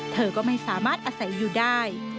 เธอก็ไม่สามารถอาศัยอยู่ได้